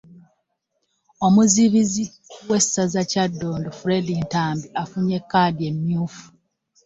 Omuzibizi w'essaza Kyaddondo, Fred Ntambi afunye kkaadi emmyufu